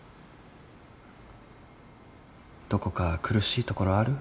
どこか苦しいところある？